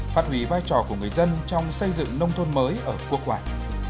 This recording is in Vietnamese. phát hủy vai trò của người dân trong xây dựng nông thôn mới ở quốc quản